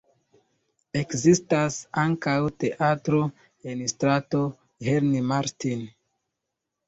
Ekzistas ankaŭ teatro en strato Henri Martin.